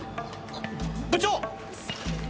部長！